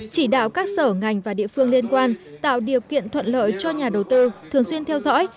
chỉ đạo các sở ngành và địa phương liên quan tạo điều kiện thuận lợi cho nhà đầu tư thường xuyên theo dõi